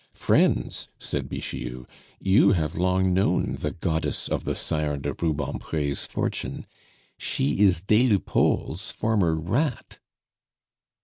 "Friends," said Bixiou, "you have long known the goddess of the Sire de Rubempre's fortune: She is des Lupeaulx's former 'rat.